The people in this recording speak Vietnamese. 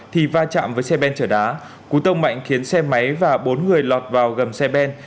thì va chạm với xe ben chở đá cú tông mạnh khiến xe máy và bốn người lọt vào gầm xe ben